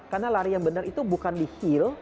karena lari yang benar itu bukan di heel